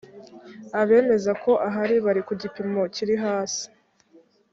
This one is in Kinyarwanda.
abemeza ko ahari bari ku gipimo kiri hasi.